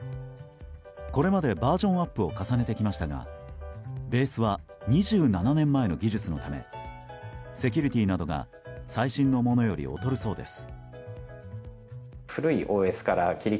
これまで、バージョンアップを重ねてきましたがベースは２７年前の技術のためセキュリティーなどが最新のものより劣るそうです。